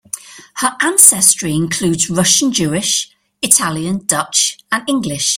Her ancestry includes Russian-Jewish, Italian, Dutch, and English.